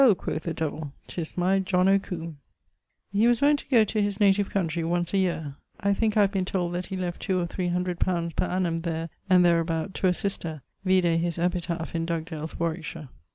quoth the Devill, ''Tis my John o Combe.' He was wont to goe to his native countrey once a yeare. I thinke I have been told that he left 2 or 300 li. per annum there and thereabout to a sister. Vide his epitaph in Dugdale's Warwickshire.